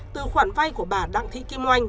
từ khoản vay của bà đặng thị kim oanh